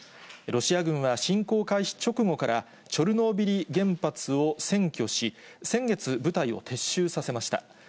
ロシア軍は、侵攻開始直後から、チョルノービリ原発を占拠し、先月、部隊を撤収させました。